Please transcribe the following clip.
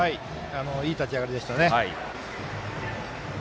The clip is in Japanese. いい立ち上がりでした。